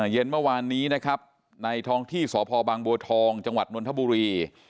เย็นเมื่อวานนี้ในท้องที่สบางบัวทองจังหวัดนวลธบุรี